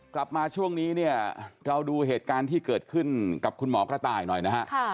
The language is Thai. กลับมาช่วงนี้เนี่ยเราดูเหตุการณ์ที่เกิดขึ้นกับคุณหมอกระต่ายหน่อยนะฮะ